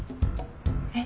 えっ？